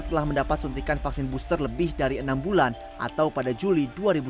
telah mendapat suntikan vaksin booster lebih dari enam bulan atau pada juli dua ribu dua puluh